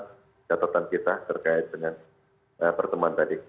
dan juga ada di laporan catatan kita terkait dengan perteman tadi